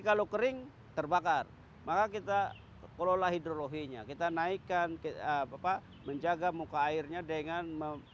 kalau kering terbakar maka kita kelola hidrologinya kita naikkan kita menjaga muka airnya dengan